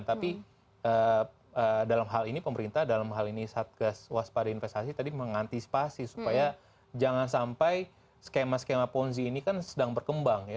tapi dalam hal ini pemerintah dalam hal ini satgas waspada investasi tadi mengantisipasi supaya jangan sampai skema skema ponzi ini kan sedang berkembang ya